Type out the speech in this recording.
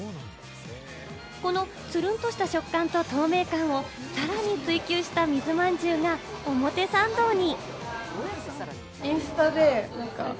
このつるんとした食感と、透明感をさらに追究した水まんじゅうが表参道に。